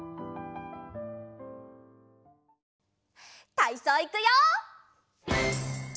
たいそういくよ！